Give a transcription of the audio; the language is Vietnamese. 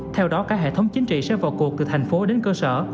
theo đó cả hệ thống chính trị sẽ vào cuộc từ thành phố đến cơ sở